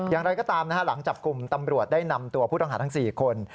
อย่างไรก็ตามนะฮะหลังจับกลุ่มตำรวจได้นำตัวผู้ต้องหาทั้ง๔คน